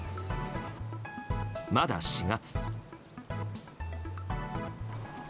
まだ４月。